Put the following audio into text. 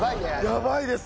やばいです。